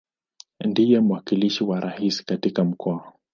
Ndiye mwakilishi wa Rais katika Mkoa.